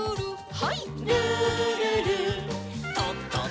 はい。